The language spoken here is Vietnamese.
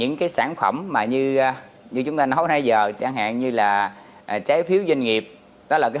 là cái sản phẩm mà như như chúng ta nói bây giờ chẳng hạn như là trái phiếu doanh nghiệp đó là cái